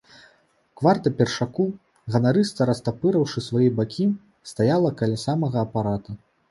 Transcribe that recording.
Кварта першаку, ганарыста растапырыўшы свае бакі, стаяла каля самага апарата.